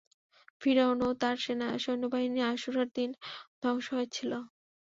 ফিরআউন ও তার সৈন্যবাহিনী আশুরার দিন ধ্বংস হয়েছিল।